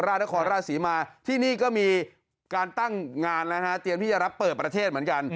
ราชนครราชศรีมาที่นี่ก็มีการตั้งงานนะฮะเตรียมที่จะรับเปิดประเทศเหมือนกัน